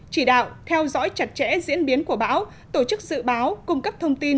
chỉ đạo theo dõi chặt chẽ diễn biến của báo tổ chức dự báo